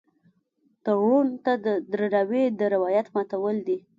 تړون ته د درناوي د روایت ماتول دي.